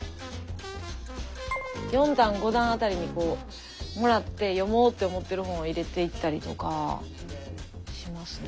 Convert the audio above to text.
４段５段辺りにもらって読もうって思っている本を入れていったりとかしますね。